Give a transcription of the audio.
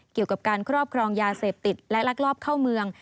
เกี่ยวกับการครอบครองยาเสพติดและลักลอบเข้าเมือง